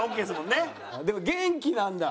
でも元気なんだ？